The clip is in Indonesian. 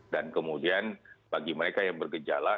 dan kemudian bagi mereka yang bergejala